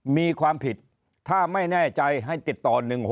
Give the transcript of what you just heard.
มีความผิดถ้าไม่แน่ใจให้ติดต่อ๑๖๖